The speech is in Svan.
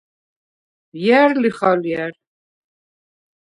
ჲა̈რ ლიხ ალჲა̈რ?